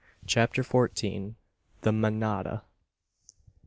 CHAPTER FOURTEEN. THE MANADA.